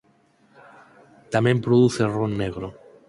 Tamén produce ron negro.